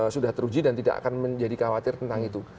sudah teruji dan tidak akan menjadi khawatir tentang itu